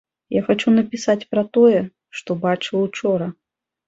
Я хачу напісаць пра тое, што бачыў учора.